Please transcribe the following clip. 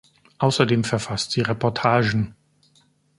Außerdem verfasst sie Reportagen.